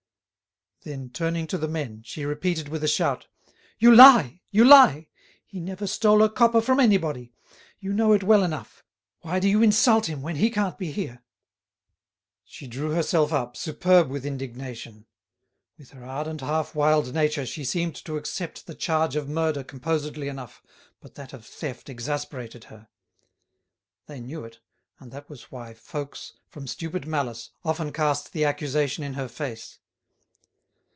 Then, turning to the men, she repeated with a shout: "You lie! You lie! He never stole a copper from anybody. You know it well enough. Why do you insult him when he can't be here?" She drew herself up, superb with indignation. With her ardent, half wild nature she seemed to accept the charge of murder composedly enough, but that of theft exasperated her. They knew it, and that was why folks, from stupid malice, often cast the accusation in her face.